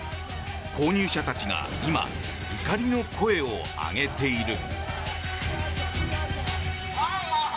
購入者たちが今怒りの声を上げている。